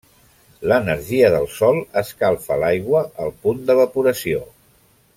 L'energia del Sol escalfa l'aigua al punt d'evaporació.